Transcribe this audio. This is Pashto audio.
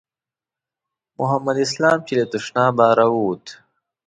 محمد اسلام چې له تشنابه راووت.